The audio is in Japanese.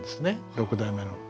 六代目の。